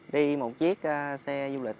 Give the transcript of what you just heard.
đi một chiếc xe du lịch